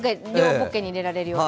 ポッケに入れられるように。